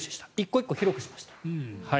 １個１個を広くしました。